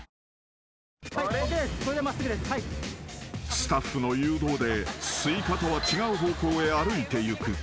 ［スタッフの誘導でスイカとは違う方向へ歩いていく］